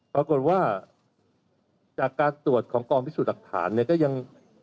ปรากฏว่าจากการตรวจของกองพิสูจน์หลักฐานเนี่ยก็ยัง